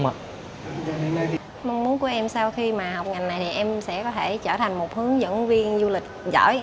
mình mong muốn của em sau khi mà học ngành này thì em sẽ có thể trở thành một hướng dẫn viên du lịch giỏi